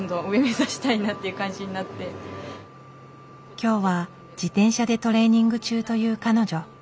今日は自転車でトレーニング中という彼女。